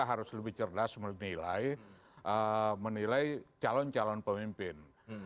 harus lebih cerdas menilai calon calon pemimpin